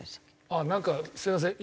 あっなんかすみません。